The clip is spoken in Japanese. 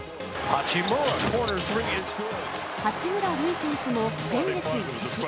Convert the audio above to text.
八村塁選手も先月、移籍。